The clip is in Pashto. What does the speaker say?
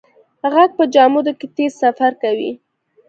غږ په جامدو کې تېز سفر کوي.